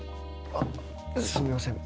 あっすみません